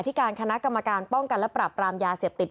ที่การคณะกรรมการป้องกันและปรับปรามยาเสพติด